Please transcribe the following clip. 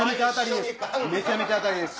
めちゃめちゃ当たりです。